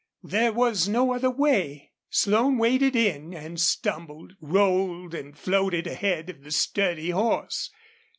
There was no other way. Slone waded in, and stumbled, rolled, and floated ahead of the sturdy horse.